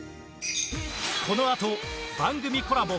このあと番組コラボ